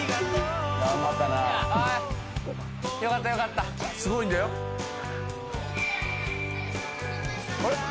頑張ったなよかったよかったすごいんだよあれ？